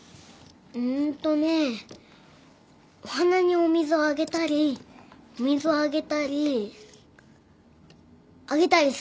うんとねお花にお水をあげたりお水をあげたりあげたりするの。